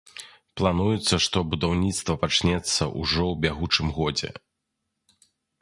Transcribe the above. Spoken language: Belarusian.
Плануецца, што будаўніцтва пачнецца ўжо ў бягучым годзе.